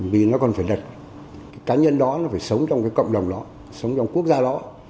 vì nó còn phải lật cá nhân đó nó phải sống trong cái cộng đồng đó sống trong quốc gia đó